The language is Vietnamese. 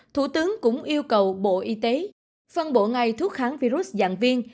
thủ tướng cũng yêu cầu bộ y tế phân bộ ngay thuốc kháng virus dạng viên